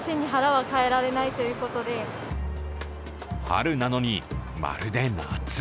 春なのに、まるで夏。